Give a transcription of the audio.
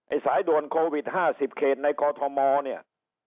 สายด่วนโควิด๕๐เขตในกอทมเนี่ย